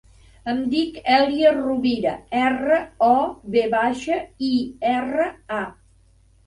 Em dic Èlia Rovira: erra, o, ve baixa, i, erra, a.